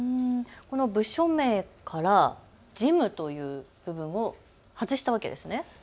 この部署名から事務という部分を外したわけですね。